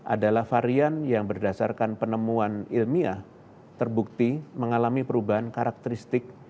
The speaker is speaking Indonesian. adalah varian yang berdasarkan penemuan ilmiah terbukti mengalami perubahan karakteristik